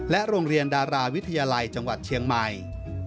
โรงเรียนดาราวิทยาลัยจังหวัดเชียงใหม่